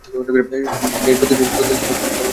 মেই, প্রতিদিনই তোমার জন্য পরিচ্ছন্নতা দিবস।